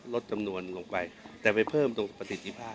ลดจำนวนลงไปแต่ไปเพิ่มตรงประสิทธิภาพ